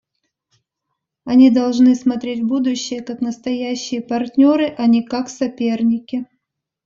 Они должны смотреть в будущее как настоящие партнеры, а не как соперники.